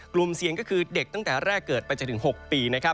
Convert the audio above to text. กลุ่มเสี่ยงก็คือเด็กตั้งแต่แรกเกิดไปจนถึง๖ปี